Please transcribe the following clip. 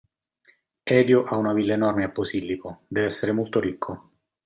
Elio ha una villa enorme a Posillipo, dev'essere molto ricco.